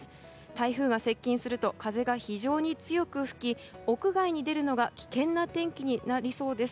台風が接近すると風が非常に強く吹き屋外に出るのが危険な天気になりそうです。